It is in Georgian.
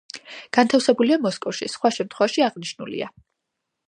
განთავსებულია მოსკოვში, სხვა შემთხვევაში აღნიშნულია.